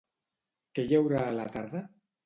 Què hi haurà a la tarda?